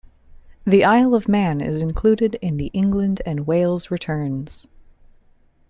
The Isle of Man is included in the England and Wales returns.